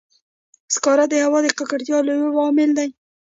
سکاره د هوا د ککړتیا یو لوی عامل دی.